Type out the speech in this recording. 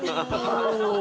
お！